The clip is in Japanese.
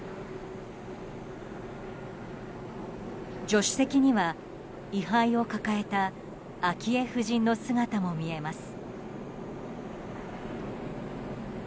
助手席には、位牌を抱えた昭恵夫人の姿も見えます。